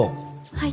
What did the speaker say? はい。